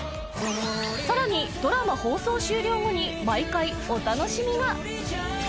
更にドラマ放送終了後に毎回お楽しみが！